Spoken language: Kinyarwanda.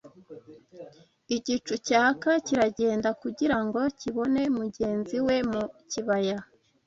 Igicu cyaka kiragenda, kugira ngo kibone mugenzi we mu kibaya